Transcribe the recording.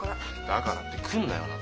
だからって来んなよな。